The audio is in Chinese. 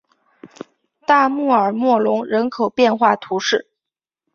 大穆尔默隆人口变化图示